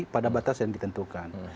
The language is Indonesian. pada batas yang ditentukan